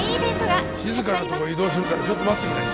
静かなとこ移動するからちょっと待ってくれ。